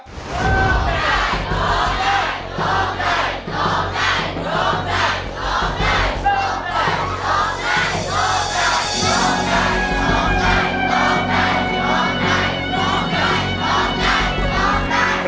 ร้องได้ยิ้มไป